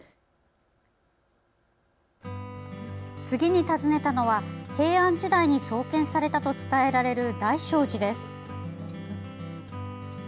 次に訪ねたのは平安時代に創建されたと伝えられる大聖寺です。